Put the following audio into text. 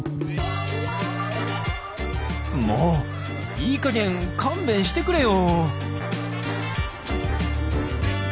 「もういいかげん勘弁してくれよ！」。